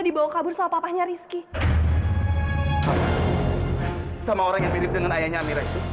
ini bukan pertama kali saya melihat kamu mendekat zaira